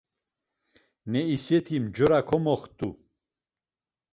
Neiseti mjora komoxt̆u.